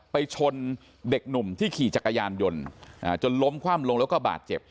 ไปชนเด็กหนุ่มที่ขี่จักรยานยนต์จนล้มคว่ำลงแล้วก็บาดเจ็บ